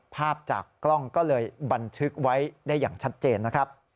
ภาพจากกล้องก็เลยบันทึกไว้ได้อย่างชัดเจนนะครับ